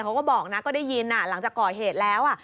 เขาก็บอกนะก็ได้ยินหลังจากก่อเหตุแล้ว